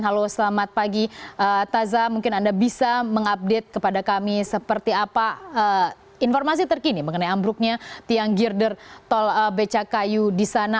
halo selamat pagi taza mungkin anda bisa mengupdate kepada kami seperti apa informasi terkini mengenai ambruknya tiang girder tol becakayu di sana